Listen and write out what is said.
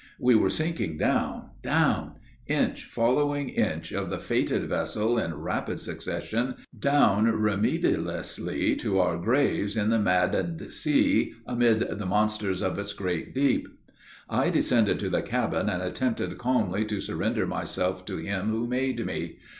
We were sinking down, down inch following inch of the fated vessel in rapid succession down remedilessly to our graves in the maddened sea, amid the monsters of its great deep. I descended to the cabin, and attempted calmly to surrender myself to Him who made me.